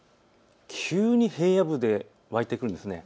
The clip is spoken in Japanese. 急に平野部で湧いてくるんです。